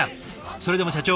それでも社長